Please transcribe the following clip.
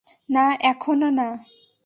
না, এখনও না।